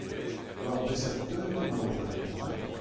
War beseurt teul emaocʼh o labourat ?